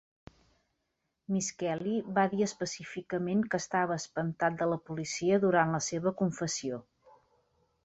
MIsskelley va dir específicament que estava "espantat de la policia" durant la seva confessió.